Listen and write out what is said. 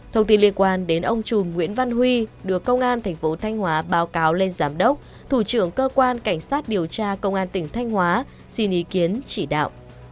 thông tin liên quan đến ông trùm nguyễn văn huy được công an tp thanh hóa báo cáo lên giám đốc thủ trưởng cơ quan cảnh sát điều tra công an tp thanh hóa xin ý kiến chỉ đạo